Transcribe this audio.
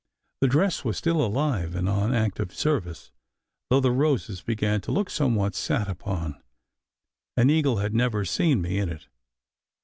The dress was stiU 66 SECRET HISTORY alive, and on active service (though the roses began to look somewhat sat upon) ; and Eagle had never seen me in it.